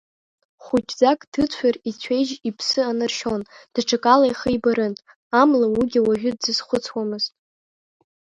Хәыҷӡак дыцәар ицәеижь иԥсы анаршьон, даҽакала ихы ибарын, амала уигьы уажәы дзазхәыцуамызт.